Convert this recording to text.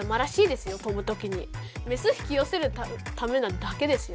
メス引きよせるためなだけですよ。